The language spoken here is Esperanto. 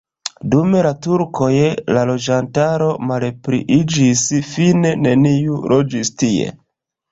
Dum la turkoj la loĝantaro malpliiĝis, fine neniu loĝis tie.